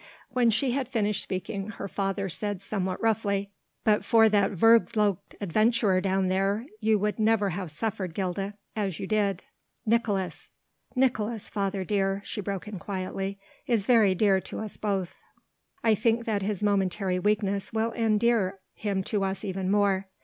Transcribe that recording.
When she had finished speaking her father said somewhat roughly: "But for that vervloekte adventurer down there, you would never have suffered, Gilda, as you did. Nicolaes...." "Nicolaes, father dear," she broke in quietly, "is very dear to us both. I think that his momentary weakness will endear him to us even more.